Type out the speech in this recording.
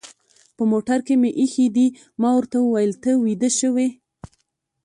په موټر کې مې اېښي دي، ما ورته وویل: ته ویده شوې؟